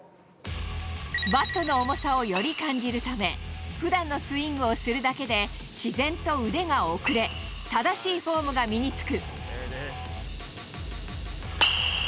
バットの重さをより感じるため、ふだんのスイングをするだけで、自然と腕が遅れ、正しいフォームが身につく。